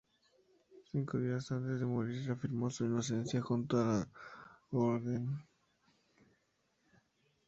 Cinco días antes de morir afirmó su inocencia junto con la de la Orden.